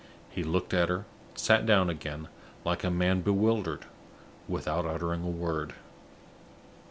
He looked at her, and sat down again, like a man bewildered, without uttering a word.